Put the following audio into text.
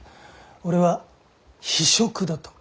俺は非職だと。